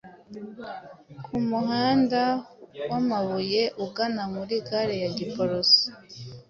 ku muhanda w’amabuye ugana muri gare ya Giporoso